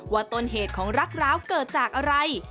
ต้นเหตุของรักร้าวเกิดจากอะไร